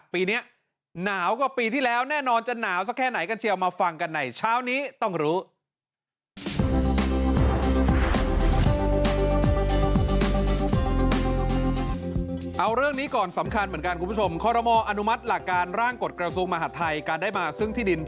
ปีนี้หนาวกว่าปีที่แล้วแน่นอนจะหนาวสักแค่ไหนกันเชียวมาฟังกันไหน